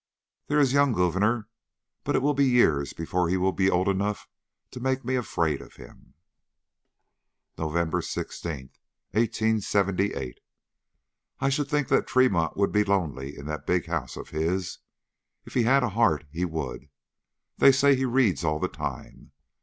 "There is a young Gouverneur, but it will be years before he will be old enough to make me afraid of him." "NOVEMBER 16, 1878. I should think that Tremont would be lonely in that big house of his. If he had a heart he would. They say he reads all the time.